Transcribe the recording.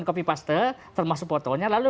kopi paste termasuk fotonya lalu